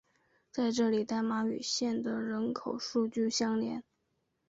在这里代码与县的人口数据相连。